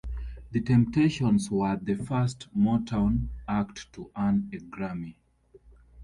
The Temptations were the first Motown act to earn a Grammy.